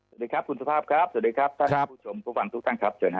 สวัสดีครับคุณสภาพครับสวัสดีครับท่านผู้ชมทุกท่านครับ